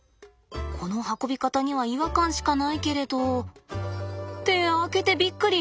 この運び方には違和感しかないけれど。って開けてびっくり！